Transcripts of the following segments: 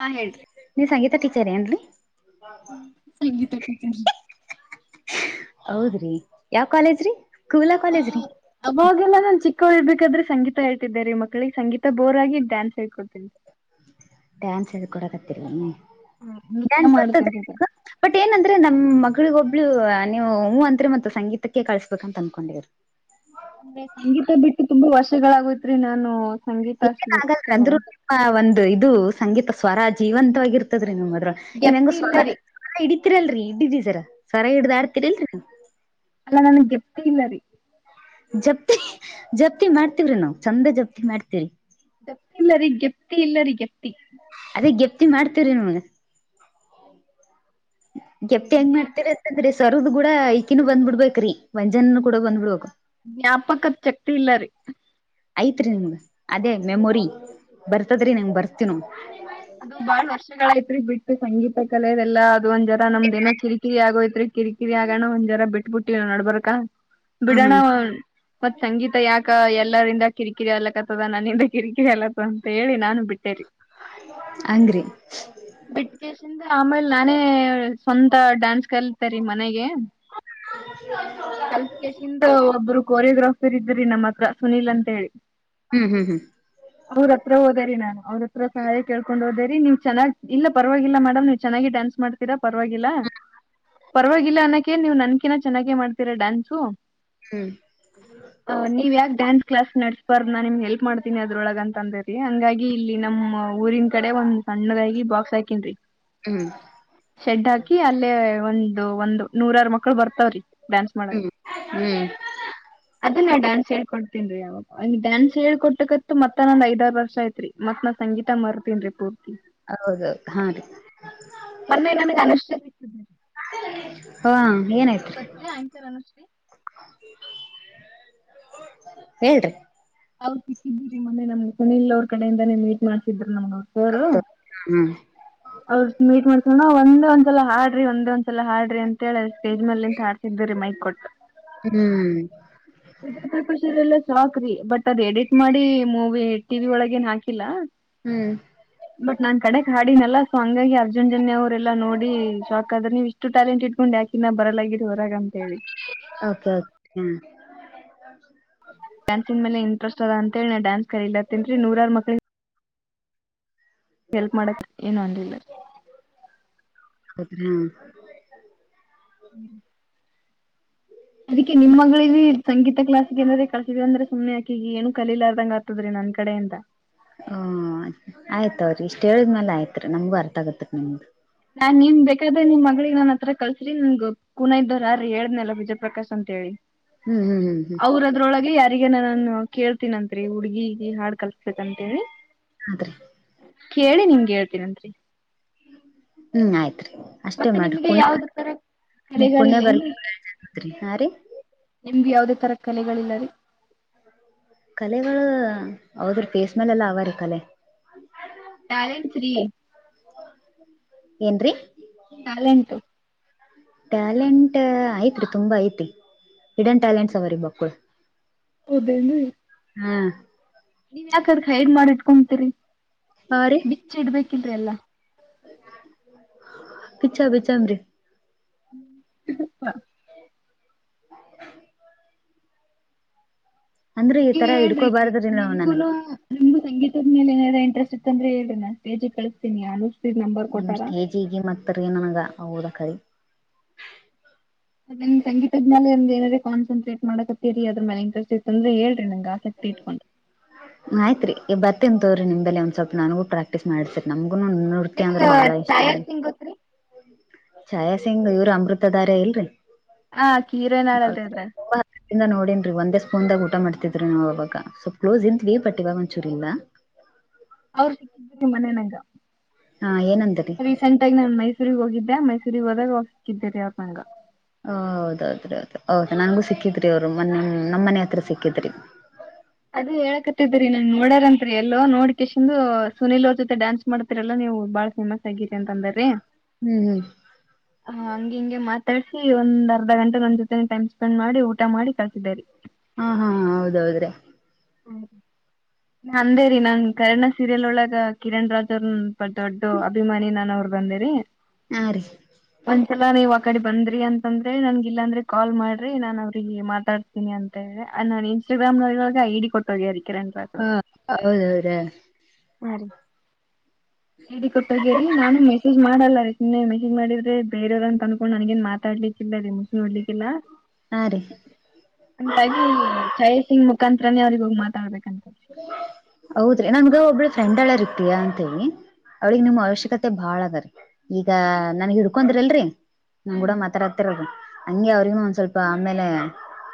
ಹಾ ಹೇಳ್ರಿ [unintelligible] ನೀ ಸಂಗೀತ ಟೀಚರ್ ಅನುಲಿ ಸಂಗೀತ ಟೀಚರ್ [unintelligible] ಹೌದ್ರಿ ಯಾವ ಕಾಲೇಜ್ರಿ ಕೂಲ ಕಾಲೇಜ್ರಿ [unintelligible] ಅವಾಗೆಲ್ಲ ನಾ ಚಿಕ್ಕ ಹಳ್ಬೇಕಾದ್ರೆ ಸಂಗೀತ ಹೇಳ್ತಿದ ರೀ ಮಕ್ಳಿಗೆ ಸಂಗೀತ ಬೋರ್ ಆಗ ಡ್ಯಾನ್ಸ್ ಹೇಳ್ಡ್ತೀನಿ [unintelligible] ಡ್ಯಾನ್ಸ್ ಎ ಕೊಡಕತ್ತರ್ಲ ಹ ನೃತ್ಯ ಡ್ಯಾನ್ಸ್ ಬರ್ತದ ಮಾಡ್ತಿರ್ತಿದ್ದೆ [unintelligible] ಬಟ್ ಏನಂದ್ರೆ ನಮ್ಮ ಮಗಳಿಗ ಒಬ್ಳು ನೀವು ಹೂವು ಅಂದ್ರೆ ಮತ್ತ ಸಂಗೀತಕ್ಕೆ ಕಳ್ಸಬೇಕಂತ ಅಂದಕೊಂಡಿದರು [unintelligible] ಸಂಗೀತ ಬಿಟ್ಟು ತುಂಬಾ ವರ್ಷಗಳಾಗೋಯತ್ರಿ ನಾನು [unintelligible] ಏನ ಆಗಲ್ ಅಷ್ಟೊತ್ತು ಅಂದ್ರರು ಒಂದ್ ಇದು ಸಂಗೀತ ಸ್ವರ ಜೀವಂತವಾಗಿ ಇರ್ತದ್ರೀ ನಿಮದ್ರ [unintelligible] ನೀವ್ ಹೆಂಗ ಗೆಪ್ತಿ ಸ್ವರವರ ಇಲ್ಲರಿ ಹಿಡತಿರಲ್ರರಿ ಇಡಿದಿ ಸರ ಸ್ವರ ಹಿಡ್ದ ಆಡ್ತಿರಲ್ರರಿ ನೀ [unintelligible] ಅಲ್ಲಾ ನನ್ಗ್ಗೆಪ್ ಇಲ್ಲ ರೀ [unintelligible] ಜಪ್ತಿ ಜಪ್ತಿ ಮಾಡ್ತವ್ರಿ ನಾವ್ ಚಂದ ಜಪ್ತಿ ಮಾಡ್ತೀವ್ರಿ [unintelligible] ಗಪ್ತಿ ಇಲ್ಲರಿ ಗೆಪ್ತಿ ಇಲ್ಲ ರೀ ಪ್ತಿ [unintelligible] ಅದೇ ಗೆಪ್ತಿ ಮಾಡ್ತಿವಿ ರೀ ನಮಗೆ ಪ್ತಿ ಹೆಂಗ್ ಮಾಡ್ತೀರ ್ರೀ ಸರದ್ ಕೂಡ ಈಕಿನನು ಬಂದ್ಬ ಬಿಡ್ಬೇಕ್ರೀ ವಂಜನನು ಕೂಡ ಬಂದ್ಬ ಬಿಡ್ಬೇಕು ವ್ಞ್ಯಾಪಕದ ಶಕ್ತಿ ಇಲ್ಲ ರೀ ಐತ್ರಿ ನಿಮಗ ಅದೇ ಮೆಮೊರಿ ಬರ್ತದ್ರಿ ನಂಗ ಬರ್ತಿನೋ ಅದು ಬಾಳ ವರ್ಷಗಳ ಐತ್ರಿ ಬಿಟ್ಟು ಸಂಗೀತ ಕಲೆ ಅದೆಲ್ಲ ಅದು ಒಂದ್ ಜನ ನಮ್ದೇಏೋ ಕಿರಿಕಿರಿ ಆಗೋಯತ್ರಿ ಕಿರಿಕಿರಿ ಆಗೋಣ ಒಂದ್ ಜರ ಬಿಟ್ಬ ಬಿಟ್ಟಿ ನಡ್ಬರ್ಕ ಹಾ ಹಾ ಬಿಡಾನ ಮತ್ ಸಂಗೀತ ಯಾಕ ಎಲ್ಲರಿಂದ ಕಿರಿಕಿರಿ ಅಲಕತ್ತದ ನನ್ನಿಂದ ಕಿರಿಕಿರಿ ಅಲತ ಅಂತ ಹೇಳಿ ನಾನು ಬಿಟ್ಟೇರಿ ಅಂಗ್ರೆ ಬಿಟ್ಟಕೇಶಿಂದ ಆಮೇಲೆ ನಾನೇ ಸ್ವಂತ ಡಾನ್ಸ್ ಕಲತರಿೀ ಮನೆಗೆ ಹ ಇಂತ ಒಬ್ಬರು ಕೊರಿಯೋಗ್ರಾಫರ್ ಇದ್ರಿ ನಮ್ಮ ಹತ್ರ ಸುನೀಲ್ ಅಂತ ಹೇಳಿ ಹ್ಮ್ ಹ್ಮ್ ಹ್ಮ್ ಅವ್ರ ಹತ್ರ ಹೋದಾರಿ ನಾನು ಅವ್ರ ಹತ್ರ ಸಹಾಯ ಕೇಳ್ಕೊಂಡ್ ಹೋದೇರಿ ನೀವ್ ಚೆನ್ನ್ ಇಲ್ಲ ಪರವಾಗಿಲ್ಲ ಮೇಡಮ್ ನೀವ್ ಚೆನ್ನಾಗಿ ಡ್ಯಾನ್ಸ್ ಮಾಡ್ತೀರಾ ಪರವಾಗಿಲ್ಲ ಪರವಾಗಿಲ್ಲ ಅನ್ನಕೆ ನೀವು ನನ್ಕಿನ ಚೆನ್ನಾಗೆ ಮಾಡ್ತೀರಾ ಡ್ಯಾನ್ಸು ಹ್ಮ್ ನೀವ್ ಯಾಕ್ ಡ್ಯಾನ್ಸ್ ಕ್ಲಾಸ್ ನಡ್ಸ್ಬಾರ್ದ ನಾನ ನಿಮಗ ಹೆಲ್ಪ್ ಮಾಡ್ತೀನಿ ಅದ್ರೊಳಗ ಅಂತ ಅಂದ್ರ ರಿ ಹಂಗಾಗಿ ಇಲ್ಲಿ ನಮ್ಮ್ ಊರಿನ್ ಕಡೆ ಒಂದ್ ಸಣ್ಣದಾಗಿ ಬಾಕ್ಸ್ ಹಾಕಿನ ರಿ ಹ್ಮ್ ಶೆಡ್ ಹಾಕಿ ಅಲ್ಲೇ ಒಂದು ಒಂದು ನೂರಾರ ಮಕ್ಳು ಬರ್ತವ್ರಿ ಡಾನ್ಸ್ ಮಾಡಕ್ ಹ್ಮ್ ಅದನೆ ಡಾನ್ಸ್ ಹೇಳ್ಕೊಡತೀನಿರಿ ಅವ್ರ್ ಡ್ಯಾನ್ಸ್ ಹೇಳ್ಕೊಟ್ಟಕತ್ ಮತ್ತ ನಾನ ಐದಾರು ವರ್ಷ ಆಯತ್ರಿ ಮತ್ ನಾ ಸಂಗೀತ ಮರ್ತನ್ ರಿ ಪೂರ್ತಿ ಹೌದೌದು ಹಾ ರೀ ಮೊನ್ನೆ ನನ್ಗೆ ಅನಷ್ಟ ಸಿ ಹಾ ಏನಾಯ್ತು ಪತ್ರಿ ಆಯಂಕರ್ ಅನುಶ್ರೀ ಹೇಳ್ರಿ ಅವ್ ಸಿಕ್ಕಿದ್ದೀರಿ ಮೊನ್ನೆ ನಮ್ಗೆ ಸುನಿಲ್ ಅವ್ರ ಕಡೆಯಿಂದಾನೇ ಮೀಟ್ ಮಾಡ್ಸಿದ್ರ ನಮ್ಗ ಅವರ ಸರು ಹೌ ಅವ್ರ ಮೀಟ್ ಮಾಡ್ಸೋಣ ಒಂದೆ ಒಂದ್ಸಲ ಹಾಡ್ರಿ ಒಂದೆ ಒಂದ್ಸಲ ಹಾಡ್ರಿ ಅಂತ ಹೇಳ ಅ ಸ್ಟೇಜ್ ಮ್ಯಾಲಿ ನಿಂತ ಹಾಡ್ಸಿ ಸಿದರಿ ಮೈಕ್ ಕೊಟ್ ಹ್ಮ್ ಪ್ರಪಷರೆಲ್ಲ ಸಾಕ್ರಿ ಬಟ್ ಮದ್ ಎಡಿಟ್ ಮಾಡಿ ಮೂವಿ ಟಿವಿ ಒಳಗೇನ್ ಹಾಕಿಲ್ಲ ಹ್ಮ್ ಬಟ್ ನಾನ್ ಕಡೆಗೆ ಹಾಡಿನಲ್ಲ ಸೊ ಹಂಗಾಗಿ ಅರ್ಜುನ್ ಜನ್ಯ ಅವ್ರೆಲ್ಲಾ ನೋಡಿ ಶಾಕ್ ಆದ್ರ ನೀವು ಇಷ್ಟ ಟು ಟ್ಯಾಲೆಂಟ್ ಇಟ್ಕೊಂಡು ಯಾಕಿ ಬರಲಾಗಿರಿ ಹೊರಗ ಅಂತ ಹೇಳಿ ಓಕೆ ಓಕೆ ಹ್ಮು ಹ ಡಾನ್ಸಿನ ಮೇಲೆ ಇಟ್ರಸ್ಟ ಅಂತ ಹೇಳಿ ಡ್ಯಾನ್ಸ್ ಕಲಿಲಾಕತಿನ್ರಿ ನೂರಾರ ಮಕ್ಳಿಗೆ ಹೆಲ್ಪ್ ಮಾಡತ್ ಏನು ಅಂದಿಲ್ಲ ಹತ್ ಹಾ ಹ್ಮ ಅದಕ್ಕೆ ನಿಮ್ಮ ಮಗಳಿಗೆ ಏನಾರ ಸಂಗೀತ ಕ್ಲಸ್ ಏನಾರ ಕಳಸಿದಿ ಅಂದ್ರ ಸುಮ್ನೆ ಅಕಿಗ ಈ ಏನು ಕಲಿಲ್ಲಾರದಂಗ ದ್ರಿ ನನ್ ಕಡೆ ಎಂತ ಹ ಆಯ್ತ ಅವ್ರಿ ಇಷ್ಟ ಹೇಳಿದ್ಮೇಲ ಆಯ್ತ್ ರೀ ನಮ್ಗು ಅರ್ಥ ಆಗತ್ತ ನಮ್ದು ನಾನ್ ನಿಮ್ ಬೇಕಾದ್ರೆ ನಿಮ ಮಗಳಿಗೆ ನಾನ್ ಹತ್ರ ಕಳಸ್ರಿ ನಿನ್ ಗೊ ಕುನ ಇದ್ದರ್ ಆರ ರಿ ಹೇಳಿದ್ನಲ ವಿಜಯಪ್ರಕಾಶ್ ಅಂತ ಹೇಳಿ ಹ್ಮ್ ಹ್ಮ್ ಹ್ಮ್ ಹ್ಮ್ ಅವ್ರ ಅದ್ರೊಳಗೆ ಯಾರಿಗ ನನ್ ಕೇಳ್ತೀನಂತರಿ ಹುಡ್ಗಿಗೆ ಹಾಡ್ ಕಲ್ಸ್ಬೇಕಂತಿ ಅ ರಿ ಕೇಳಿ ನಿಮಗೆ ಹೇಳ್ತೀನಂತ್ರಿ ಹ್ಮ್ ಆಯ್ತ್ರಿ ಅಷ್ಟೇ ಮತ್ತೆ ಮಾಡ್ರಿ ನಿಮ್ಗೆ ಯಾವ್ದ ತರ ಪುಣ ಪುಣ್ಯ ಕಲೆಗಳಿಲ್ಲ ಏನ್ರಿ ಬರ್ತ್ರಿ ಹಾ ರೀ ನಿಮ್ಗೆ ಯಾವದೇ ತರ ಕಲೆಗಳಿಲ್ಲ ರೀ ಕಲೆಗಳು ಹದ್ರ ಪೇಸ್ ಮೇಲೆೆಲ್ಲ ಅವರಿ ಕಲೆ ಟ್ಯಾಲೆಂಟ್ ಫ್ರೀ ಏನ್ರಿ ಟ್ಯಾಲೆಂಟು ಟ್ಯಾಲೆಂಟ್ ಐತ್ರಿ ತುಂಬಾ ಐತಿ ಹಿಡನ್ ಟ್ಯಾಲೆಂಟ್ಸ್ ಅವ್ರೀ ಬಕ್ಕಳು ಹೌದೇನು ಹ್ಮ ನೀವ್ ಯಾಕಾದ್ರ ಸ್ಲಡ ಮಾಡಿ ಇಟ್ಕೊಂತೀರಿ ಆ ರಿ ಿ ಇಡ್ಬೇಕಲ್ರಿ ಎಲ್ಲಾ ಪಛ ಬ ಚಾಮ್ರರಿ ಹ [inaudible] ಅಂದ್ರ ಈ ನೀವ್ ತರ ಹೇಳ್ರಿ ಹಿಡ್ಕೋಬಾರ್ದ್ರಿ ನಾವ್ ನನ್ಗ ನಿಮಗುನು ನಿಮ್ಗೂ ಸಂಗೀತದ ಮೇಲೆ ಏನಾರ ಇಂಟ್ರೆಸ್ಟ್ ಇತ್ ಅಂದ್ರ ಹೇಳಿರಿರಿ ಸ್ಟೇಜಿಗೆ ಕಳಿಸಸ್ತೀನಿ ಹಾಡು ನಿಮ್ ಸ್ಟೇಜ್ ಈಗ ಮತ್ರಿ ನನ್ಗ ಹದಕರಿ ನನ್ ಸಂಗೀತದ ಮೇಲೆ ಒ್ರ ಏನಾದ ಕನ್ಸಟ್ರೇಟ್ ಮಾಡಕತ್ತೀರಿ ಅದ್ರ ಮೇಲೆ ಇಂಟ್ರೆಸಟ ಇತ್ತು ಅಂದ್ರ ಹೇಳಿ ನಂಗೆ ಆಸಕ್ತಿ ಇಟ್ಕೊಂಡು ಆಯ್ತ್ರಿ ಈ ಬರ್ತನ ತೋರಿ ನಿಮ್ ಬಲ್ಲೆ ನ ಒಂದ್ ಸ್ವಲ್ಪ ನನ್ಗೂ ಪ್ರಾಕ್ಟೀಸ್ ಮಾಡ್ಸರ್ ನಮಗುನೂ ನೃತ್ಯ ನಿಮ್ಗ ಅಂದ್ರೆ ಬಾಳ ಇಷ್ಟ ಛಾಯಾ ಸಿಂಗ್ ಗೊತ್ತ್ರಿ? ಛಾಯಾ ಸಿಂಗ್ ಇವ್ರ ಅಮೃತಧಾರ ಇಲ್ರಿ ಹ ಕೀರ ನಾಳಲ್ ಅದ್ರಗ್ ಅಂದ ನೋಡನ್ರಿ ಒಂದೇ ಸ್ಪೂನ್ದಾಗ ಊಟ ಮಾಡ್ತಿದ್ರಿ ನಾವು ಅವಾಗ ಸ್ವಲ್ ಕಲೋಸ್ ಇಂತ ವೀ ಪಟ್ಟಿವ ಮಂಚೂರಿ ಇಲ್ಲ ಅವ್ರು ನಿ ಮನೆನಂಗ ಹಾ ಏನಂದ್ರ ರಿ ರೀಸೆಂಟ್ ಆಗಿ ನನ್ ಮೈಸೂರಿಗೆ ಹೋಗಿದ್ದೆ ಮೈಸೂರಿಗೆ ಹೋದಾಗ ಅವ್ರು ಸಿಕ್ಕಿದ್ದೇರಿ ಅವ್ರು ನಂಗ ಹ ಹೌದೌದ್ರಿ ಹೌದ ಹೌದ್ ನನ್ಗೂ ಸಿಕ್ಕಿದ್ರಿ ಅವ್ರು ನಮ್ಮನೆ ಹತ್ರ ಸಿಕ್ಕಿದ್ರಿ ಅದ ಹೇಳಕತ್ತಿದರಿ ನನ್ ನೋಡ್ಯಾರಂತ್ರಿ ಎಲ್ಲೋ ನೋಡ್ಕೇಶಂದು ಸುನಿಲಅವ್ರು ಜೊತೆ ಡಾನ್ಸ್ ಮಾಡ್ತೀರಲ್ಲ ನೀವು ಬಾಳ್ ಫೇಮಸ್ ಆಗಿರಿ ಅಂತ ಅಂದರಿ ಹ ಹ ಹಂಗಿ ಹಿಂಗೆ ಮಾತಾಡ್ಸಿ ಒಂದ ಅರ್ಧ ಗಂಟೆ ನನ್ ಜೊತೆ ಟೈಮ್ ಸ್ಪೆಂಡ್ ಮಾಡಿ ಊಟ ಮಾಡಿ ಕಳ್ಸಿದರಿ ಹಾ ಹಾ ಹೌದೌದ್ರೀ [inaudible] ಅಂದೇ ರೀ ನನ್ ಕರ್ಣ ಸೀರಿಯಲ್ ಒಳಗ ಕಿರಣ್ ರಾಜ್ ಅವ್ರು ದೊಡ್ಡ ಅಭಿಮಾನಿ ನಾನ ಅವ್ರು ಬಂದಿರಿ ಹಾ ರೀ ಒಂದ ಸಲ ನೀವ್ ಆ ಕಡೆ ಬಂದ್ರಿ ಅಂತಂದ್ರೆ ನನ್ ಇಲ್ಲಾಂದ್ರೆ ಕಾಲ್ ಮಾಡ್ರಿ ನಾನ್ ಅವ್ರಿಗೆ ಮಾತಾಡ್ ತಿನಿ ಅಂತಿ ನು ಇನ್ಸ್ಟಾಗ್ರಾಮ್ಳ ಒಳಗೆ ಡಿ ಕೊಟ್ಟೋಗ್ಯಾರಿ ಕಿರಣ ಸರ್ ಹಾ ಹೌದೌದಾ ಹೇಳ್ರಿ ಹಾ ರೀ ಐಡಿ ಕೊಟ್ಟೋಗೇರಿ ನಾನು ಮೆಸೇಜ್ ಮಾಡಲ್ಲ ರ ಇನ್ನೆ ಮೆಸೇಜ್ ಮಾಡಿದ್ರೆ ಬೇರೆಯವ್ರ ಅಂತ ಅನ್ಕೊಂಡು ನನ್ಗೇನ್ ಮಾತಾಡ್ಲಿಕ್ಕಿಲ್ಲ ರದೆ ಮ ಮುಸ ನೋಡ್ಲಿಕ್ಕಿಲ್ಲ ಹಾಂ ರೀ ಹಂಗಾಗಿ ಛಾಯಾ ಸಿಂಗ್ ಮುಖಾಂಂತರನೇ ಅವ್ರಿಗೆ ಹೋಗಿ ಮಾತಾಡ್ಬೇಕಂತ ಹೌದ್ರಿ ನನ್ಗೆ ಒಬ್ಬಳ ಫ್ರೆಂಡ್ ಅಳ ರಿ ಪ್ರಿಯಾ ಅಂತ ಹೇಳಿ ಅವಳಿಗೆ ನಿಮ ಅವಶ್ಯಕತೆ ಬಾಳದರಿ ಈಗ ನನಗ ಹಿಡ್ಕೊಂಡ. ದಲ್ರಿ ನಮ್ ಕೂಡ ಮಾತಾಡ ಕತ್ತರ್ ಹಂಗೆ ಅವ್ರಿಗ ಒಂದ್ ಸ್ವಲ್ಪ ಆಮೇಲೆ.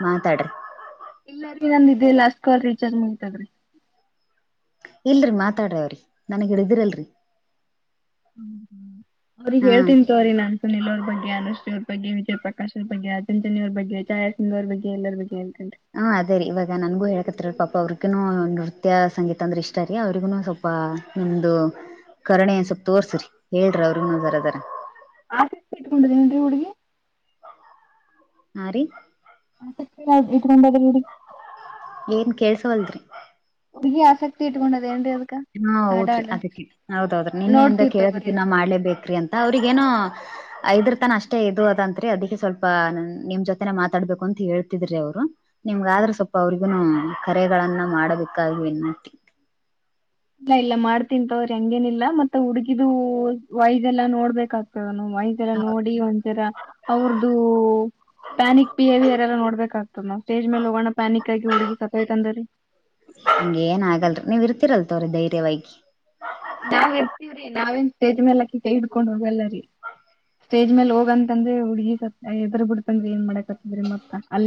ಮಾತಾಡ್ರಿ. ಎಲ್ಲರಿ ನಂದ ಇದೇ ಲಾಸ್ಟ್ ಕಲ್ ರೀಚಾರ್ಜ್ ಮುಗೀತಾದ್ರಿ. ಇಲ್ರಿ ಮಾತಾಡ್ರಾ ಅವ್ರಿಗೆ ನನಗ ಹೇಳಿದರಲ್ರಿ. ಹ್ಮ ಅವ್ರಿಗೆ ಹಾ ಹೇಳ್ತನ್. ಸ್ಟೋರಿ ನನ್ ಸುನಿಲ್ ಅವ್ರ ಬಗ್ಗೆ ಅನುಶ್ರೀ ಅವರ ಬಗ್ಗೆ ವಿಜಯಪ್ರಕಶ್ಅವರ ಬಗ್ಗೆ ಅರ್ಜುನ ಜನ್ಯ ಅವರ ಬಗ್ಗೆ ಚಾಯಸಿಂಗ್. ಇನ್ನವ್ರ ಬಗ್ಗೆ ಎಲ್ಲರ ಬಗ್ಗೆ ಹೇಳತಿನ್ರಿ. ಹ್ಮ ಅದೇ ರೀ ಇವಾಗ ನನ್ಗು ಹ ಹೇಳಕತ್ರಿರಿ ಪಾಪ ಅವ್ರಿಗೂ ನೃತ್ಯ ಸಂಗೀತ ಅಂದ್ರೆ ಇಷ್ಟ ರೀ ಅವ್ರಿಗೂನು ಸ್ವಲ್ಪ. ಪ್ಪ ನಿಮ್ದು ಕರುಣೆ ಸ್ವಲ್ಪ್ ತೋರ್ಸ್ರಿ ಹೇಳ್ರಿ ಅವ್ರಿಗ್ ನ ಜರದರ. ಆಸೀ ಇಟ್ಕೊಂಡದೇನನ್ ರೀ ಹುಡುಗಿ. ಹ ರೀ. [unintelligible] ಏನ್ ಕೇಸವಲದ್ರಿ. ಉ ಆ [unintelligible] ಹಾ ಹೌದ್ರಿ ಅದಕ್ಕೆ ಹೌದೌದ್ರಿ ನಿನ್ನೆೆಯಿಂದ ನೋಡ್ತೀವ್ ಕೇಳದ್ ತಗೋರಿ. ತಿನ್ನಾ ಮಾಡ್ಲೇಬೇಕ್ರಿ ಅಂತ್. ಅವ್ರಿಗೇನೋ. ಐದ್ರತನ ಅಷ್ಟೇ ಎದ್ದು ಹೋದಂತ್ರಿ ಅದಕ್ಕೆ ಸ್ವಲ್ಪ ನಿಮ್ ಜೊತೆನೆ ಮಾತಾಡ್ಬೇಕು ಅಂತ ಹೇಳ್ತಿದ್ರಿ ಅವ್ರು. ನಿಮ್ಗಾದ್ರೆ ಸ್ವಲ್ಪ ಅವ್ರಿಗುನು ಕರೆಗಳನ್ನ ಮಾಡಬೇಕಾಗಿ ವಿನಂತಿ. ಇಲ್ಲ ಇಲ್ಲ ಮಾಡ್ತಿಂತವ್ರಿ ಹಂಗೇನಿಲ್ಲ ಮತ್ತೆ ಹುಡುಗಿದು ವಯ್ಸೂ ಎಲ್ಲಾ ನೋಡ್ಬೇಕಾಗ್ತದಲ. [unintelligible] ಎಲ್ಲಾ ನೋಡಿ ಒಂಥರ ಅವ್ರ್ದು. ಪ್ಯಾನಿಕ್ ಬಿಹೇವಿಯರ್ ಎಲ್ಲ ನೋಡ್ಬೇಕಾಗ್ತದೆ ನಾ ಸ್ಟೇಜ್ ಮೇಲ್ ಹೋಗಣ ಪ್ಯಾನಿಕ್ ಹುಡುಗಿ ಸಾಯ್ ತ ಅಂದರಿ. ಹಂಗ್ ಏನ್ ಆಗಲ್ರಿ ನೀವ್ ಇರ್ತಿರ್ ಅಲ್ಲ್ರೀ ಧೈರ್ಯವಾಗಿ. ನಾವ್ ಇರ್ತಿವ್ರೀ ನಾವೇನ್ ಸ್ಟೇಜ್ ಮೇಲೆ. ಕೈ ಇಡ್ಕೊಂಡ್ ಹೋಗಲ್ಲ ರೀ ಸ್ಟೇಜ್ ಮೇಲ್ ಹೋಗಂತಂದ್ರೆ ಹುಡುಗಿ ಸ್ವಲ್ಪ ಎದ್ರೂ ಬಿಡ್ತಳ್ ರೀ ಏನ್ ಮಾಡಕ್. ಮತ್ತ ಅ [unintelligible]